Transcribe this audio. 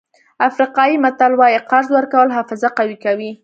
افریقایي متل وایي قرض ورکول حافظه قوي کوي.